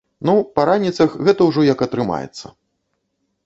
Ну, па раніцах гэта ўжо як атрымаецца.